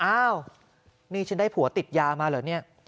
อ้าวนี่ฉันได้ผัวติดยามาเหรอเนี่ย